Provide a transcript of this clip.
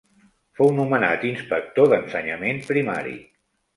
Fou nomenat Inspector d'Ensenyament Primari.